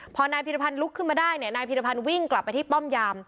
พอนายพิรพันธ์ลุกขึ้นมาได้เนี่ยนายพิรพันธ์วิ่งกลับไปที่ป้อมยาม